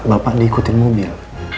bapak diikutin mobil